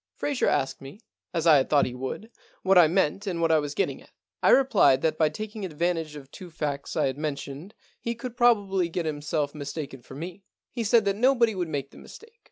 Fraser asked me, as I had thought he would, what I meant and what I was getting at. I replied that by taking advantage of two facts I had mentioned he could probably get himself 179 The Problem Club mistaken for me. He said that nobody would make the mistake.